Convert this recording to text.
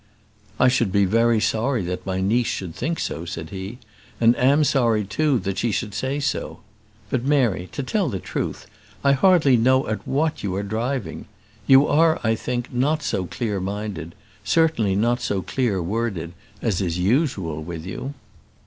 "I should be very sorry that my niece should think so," said he; "and am sorry, too, that she should say so. But, Mary, to tell the truth, I hardly know at what you are driving. You are, I think, not so clear minded certainly, not so clear worded as is usual with you."